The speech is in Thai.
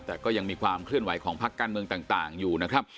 แต่ก็ยังมีความเคลื่อนไหวของพักการเมืองต่างอยู่นะครับ